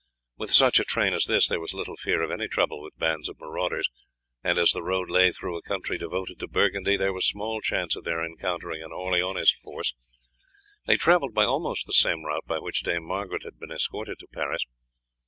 With such a train as this there was little fear of any trouble with bands of marauders, and as the road lay through a country devoted to Burgundy there was small chance of their encountering an Orleanist force. They travelled by almost the same route by which Dame Margaret had been escorted to Paris.